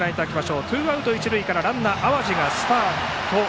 ツーアウト、一塁からランナーの淡路がスタート。